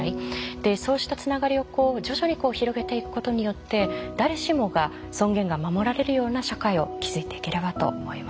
でそうしたつながりを徐々に広げていくことによって誰しもが尊厳が守られるような社会を築いていければと思います。